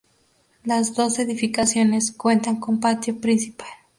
Las dos edificaciones cuentan con patio principal.